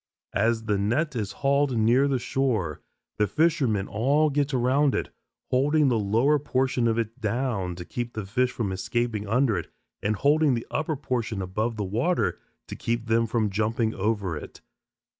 As the net is hauled near the shore, the fishermen all get around it, holding the lower portion of it down to keep the fish from escaping under it and holding the upper portion above the water to keep them from jumping over it.